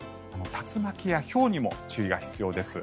竜巻やひょうにも注意が必要です。